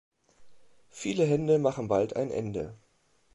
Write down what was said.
Viele Hände machen bald ein Ende.